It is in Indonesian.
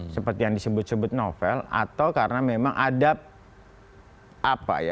seperti yang disebut sebut novel atau karena memang ada apa ya